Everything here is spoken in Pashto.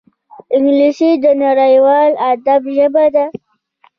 انګلیسي د نړیوال ادب ژبه ده